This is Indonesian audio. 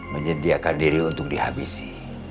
menyediakan diri untuk dihabisi